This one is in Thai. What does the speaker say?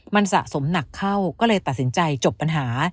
มันสะสมหนักเข้าก็เลยตัดสินใจจบปัญหา